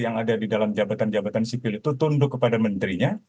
yang ada di dalam jabatan jabatan sipil itu tunduk kepada menterinya